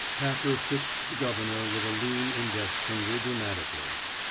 Capper fixed the governor with a lean index finger dramatically.